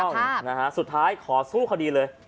ถูกต้องสุดท้ายขอสู้คดีเลย